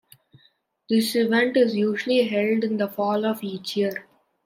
This event is usually held in the Fall of each year.